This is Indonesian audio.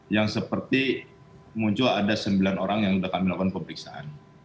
yang seperti muncul ada sembilan orang yang sudah kami lakukan pemeriksaan